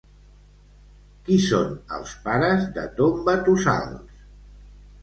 Qui són els pares de Tombatossals?